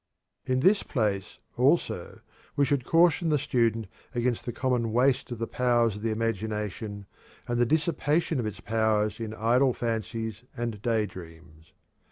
In this place, also, we should caution the student against the common waste of the powers of the imagination, and the dissipation of its powers in idle fancies and daydreams.